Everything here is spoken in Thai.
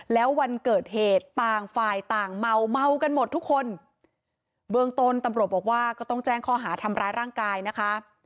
แล้ววันเกิดเหตุต่างฝ่ายต่างเมาเมากันหมดทุกคนเบื้องต้นตำรวจบอกว่าก็ต้องแจ้งข้อหาทำร้ายร่างกายนะคะ